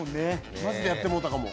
マジでやってもうたかも。